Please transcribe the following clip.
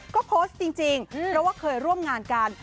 ก็โพสต์จริงเพราะว่าเคยร่วมงานกัน